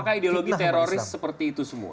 apakah ideologi teroris seperti itu semua